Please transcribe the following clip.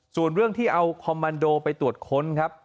ส่วนเรื่องที่เอาคอมมันโดไปตรวจค้นครับ